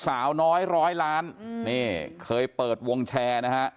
สาวน้อยร้อยล้านนี่เคยเปิดวงแชร์นะฮะ